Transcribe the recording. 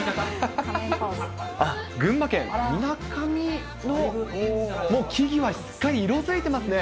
群馬県みなかみの、木々はすっかり色づいてますね。